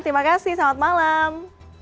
terima kasih selamat malam